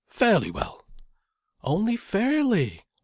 "Fairly well." "Only fairly?